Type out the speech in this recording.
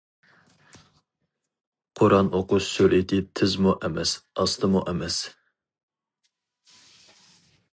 قۇرئان ئوقۇش سۈرئىتى تىزمۇ ئەمەس ئاستىمۇ ئەمەس.